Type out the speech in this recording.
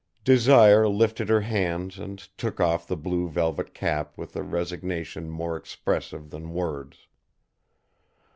Desire lifted her hands and took off the blue velvet cap with a resignation more expressive than words.